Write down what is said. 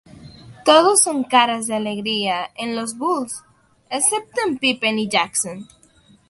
Todo son caras de alegría en los Bulls... excepto en Pippen y Jackson.